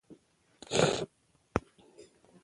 د ښکلو په ستاينه، ينه پخه کړې